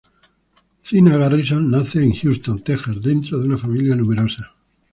Zina Garrison nace en Houston, Tejas, dentro de una familia numerosa.